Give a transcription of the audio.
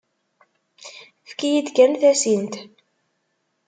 Efk-iyi-d kan tasint.